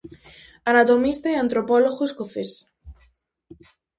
Anatomista e antropólogo escocés.